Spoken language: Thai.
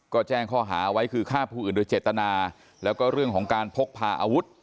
ก็แจ้งข้อหาไว้คือฆ่าผู้อื่นโดยเจตนาแล้วก็เรื่องของการพกพาอาวุธ